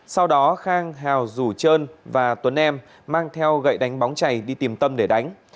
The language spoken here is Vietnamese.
sau đó khang hào rủ trơn và tuấn em mang theo gậy đánh bóng chảy đi tìm tâm để đánh